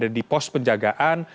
dan juga di pos penjagaan